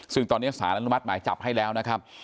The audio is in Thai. ซึ่งตอนนี้สารอนุมัติหมายจับให้แล้วนะครับ